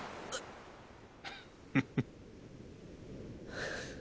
フフッ。